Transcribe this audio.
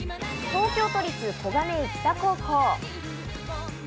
東京都立小金井北高校。